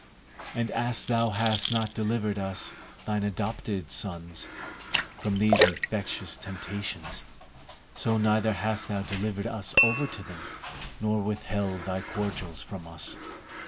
And as thou hast not delivered us, thine adopted sons, from these infectious temptations, so neither hast thou delivered us over to them, nor withheld thy cordials from us.